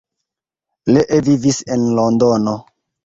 Lee vivis en Londono.